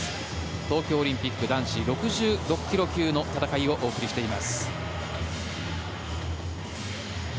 東京オリンピック男子６６ｋｇ級の戦いをお送りしています。